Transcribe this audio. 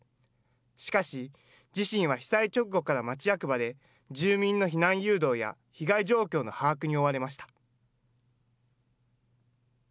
しかし、自身は被災直後から町役場で住民の避難誘導や、被害状況の把握に追われました。